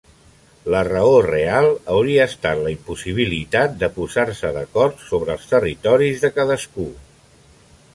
La raó real hauria estat la impossibilitat de posar-se d'acord sobre els territoris de cadascú.